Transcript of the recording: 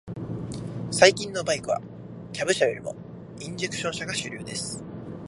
最近のバイクは、キャブ車よりもインジェクション車が主流です。